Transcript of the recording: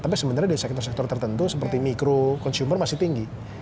tapi sebenarnya di sektor sektor tertentu seperti mikro consumer masih tinggi